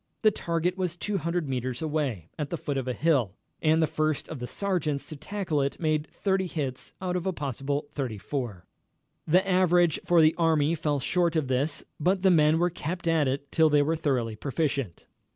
The target was 200 metres away, at the foot of a hill, and the first of the sergeants to tackle it made 30 hits out of a possible 34. The average for the army fell short of this, but the men were kept at it till they were thoroughly proficient.